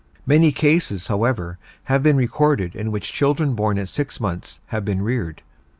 Many cases, however, have been recorded in which children born at six months have been reared.